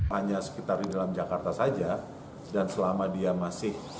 hanya sekitar di dalam jakarta saja dan selama dia masih